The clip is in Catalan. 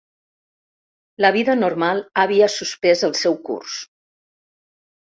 La vida normal havia suspès el seu curs.